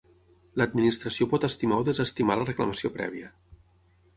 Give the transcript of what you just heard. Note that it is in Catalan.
L'Administració pot estimar o desestimar la reclamació prèvia.